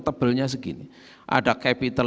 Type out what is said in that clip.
tebalnya segini ada capital